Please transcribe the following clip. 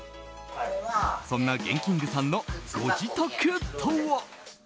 そんなＧＥＮＫＩＮＧさんのご自宅とは。